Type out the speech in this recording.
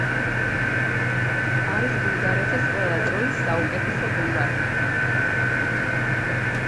არის ბულგარეთის ყველა დროის საუკეთესო ბომბარდირი.